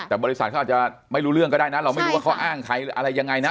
แต่บริษัทเขาอาจจะไม่รู้เรื่องก็ได้นะเราไม่รู้ว่าเขาอ้างใครอะไรยังไงนะ